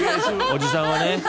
おじさんはね。